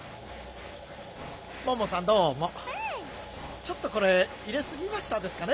ちょっとこれ入れすぎましたですかね。